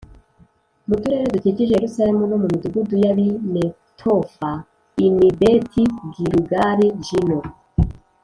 mu turere dukikije Yerusalemu no mu midugudu y ab i Netofa i n i Beti Gilugali j no